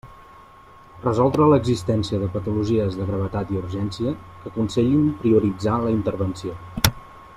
Resoldre l'existència de patologies de gravetat i urgència que aconsellin prioritzar la intervenció.